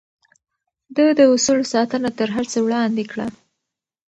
ده د اصولو ساتنه تر هر څه وړاندې کړه.